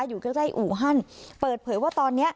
อยู่ใกล้ใกล้อู่ฮั่นเปิดเผยว่าตอนนี้